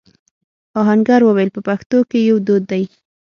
آهنګر وويل: په پښتنو کې يو دود دی.